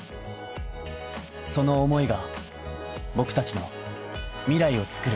その思いが僕達の未来をつくる